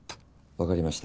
わかりました。